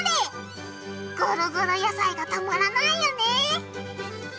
ゴロゴロ野菜がたまらないよね！